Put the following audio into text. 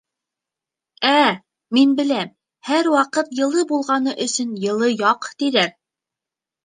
— Ә мин беләм, һәр ваҡыт йылы булғаны өсөн йылы яҡ, тиҙәр.